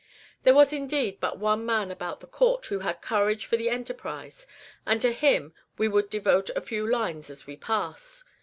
There was, indeed, but one man about the court who had courage for the enterprise; and to him we would devote a few lines as we pass.